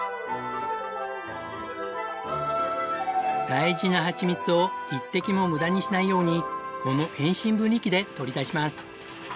大事なはちみつを一滴も無駄にしないようにこの遠心分離機で取り出します。